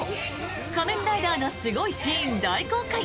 「仮面ライダー」のすごいシーン大公開！